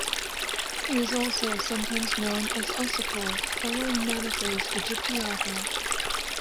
He is also sometimes known as Osochor, following Manetho's "Aegyptiaca".